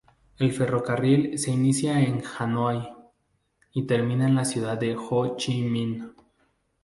El ferrocarril se inicia en Hanoi y termina en la ciudad Ho Chi Minh.